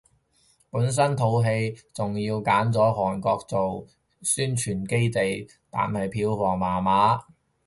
本身套戲仲要揀咗韓國做亞洲宣傳基地，但係票房麻麻